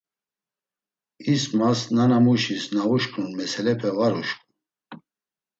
İsmas nanamuşis na uşǩun meselepe var uşǩun.